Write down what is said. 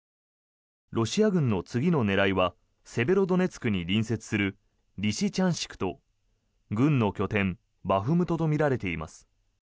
ロシア軍の次の狙いはセベロドネツクに隣接するリシチャンシクと軍の拠点バフムトとみられています。